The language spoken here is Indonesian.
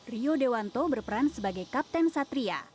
rio dewanto berperan sebagai kapten satria